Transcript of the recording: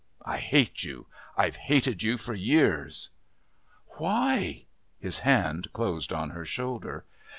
I hate you. I've hated you for years." "Why?" His hand closed on her shoulder.